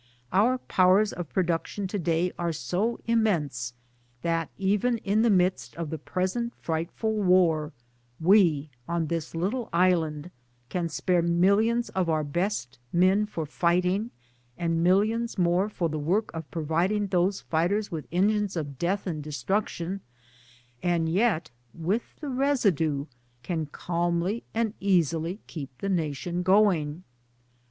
Our powers of production to day are so immense that even in the midst of the present frightful War we (on this little island) can spare millions of our best men for fighting, and millions more for the work of providing those fighters with engines of death and destruction, and yet with the residue can calmly and easily keep the nation going.